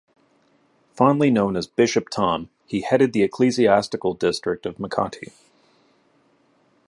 Fondly known as "Bishop Tom," he headed the Ecclesiastical District of Makati.